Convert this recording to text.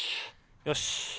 よし！